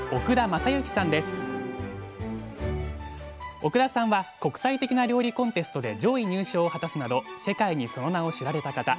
奥田さんは国際的な料理コンテストで上位入賞を果たすなど世界にその名を知られた方。